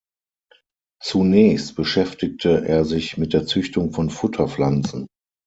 Zunächst beschäftigte er sich mit der Züchtung von Futterpflanzen.